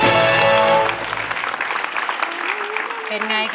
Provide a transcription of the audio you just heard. ภาพมีเป็นตำแหน่ง